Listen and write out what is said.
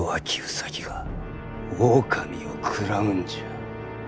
兎が狼を食らうんじゃ。